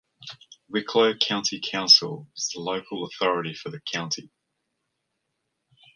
Wicklow County Council is the local authority for the county.